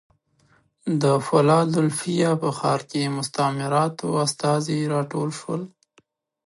د فلادلفیا په ښار کې مستعمراتو استازي راټول شول.